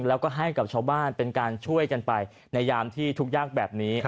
แล้วก็ให้กับชาวบ้านเป็นการช่วยกันไปในยามที่ทุกข์ยากแบบนี้